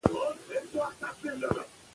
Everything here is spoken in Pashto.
که ته ما ته غوږ سې نو پوه به سې.